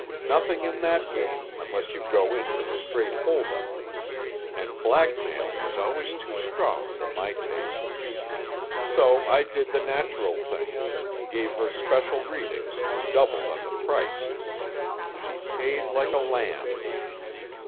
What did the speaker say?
Nothing in that game, unless you go in for the straight holdup. And blackmail was always too strong for my taste. So I did the natural thing; gave her special readings and doubled on the price. She paid like a lamb.